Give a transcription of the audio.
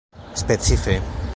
specife